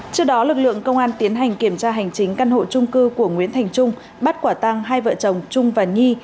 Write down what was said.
trước đó lực lượng công an tiến hành kiểm tra hành chính căn hộ trung cư của nguyễn thành trung bắt quả tăng hai vợ chồng trung và nhi